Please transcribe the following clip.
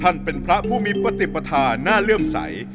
ท่านเป็นพระผู้มีปฏิปฏาน่าเรื่องใส